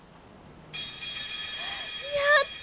やった！